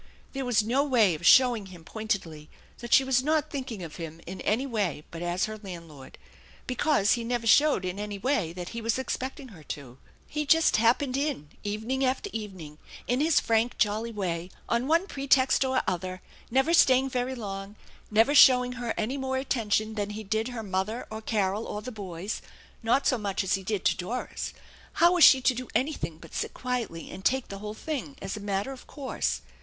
There was no way of showing him pointedly that she was not thinking of him in any way but as her land lord, because he never showed in any way that he was ex pecting her to. He just happened in evening after evening, in his frank, jolly way, on one pretext or other, never staying very long, never showing her any more attention than he did her mother or Carol or the boys, not so much as he did to Doris. How was she to do anything but sit quietly and take the whole thing as a matter of course